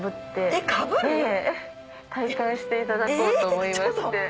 えっかぶる⁉体感していただこうと思いまして。